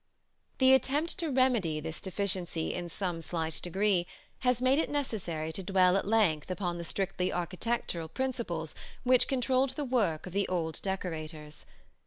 The attempt to remedy this deficiency in some slight degree has made it necessary to dwell at length upon the strictly architectural principles which controlled the work of the old decorators.